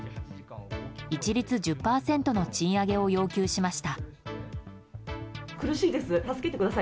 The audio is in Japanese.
一律１０％の賃上げを要求しました。